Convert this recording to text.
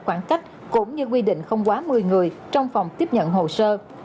khoảng cách cũng như quy định không quá một mươi người trong phòng tiếp nhận hồ sơ